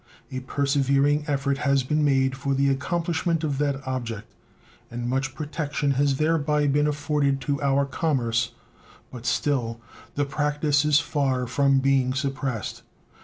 A persevering effort has been made for the accomplishment of that object, and much protection has thereby been afforded to our commerce, but still the practice is far from being suppressed.